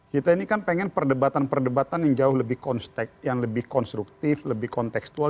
kita ini kan pengen perdebatan perdebatan yang jauh lebih konstruktif lebih konteksual